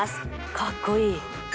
かっこいい。